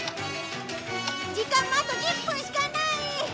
時間もあと１０分しかない！